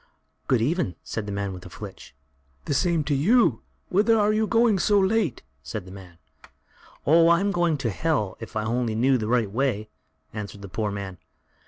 "Good even," said the man with the flitch. "The same to you; whither are you going so late?" said the man. "Oh! I'm going to Hell, if I only knew the right way," answered the poor man.